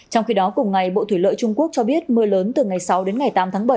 trong khi đó cùng ngày bộ thủy lợi trung quốc cho biết mưa lớn từ ngày sáu đến ngày tám tháng bảy